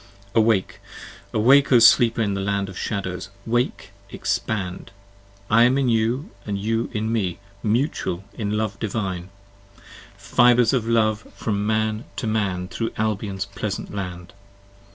Awake! awake O sleeper of the land of shadows, wake! expand! I am in you and you in me, mutual in love divine: Fibres of love from man to man thro' Albion's pleasant land.